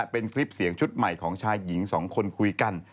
เป็นคลิปเสียงชุดใหม่ของชายหญิง๒คนคุยกัน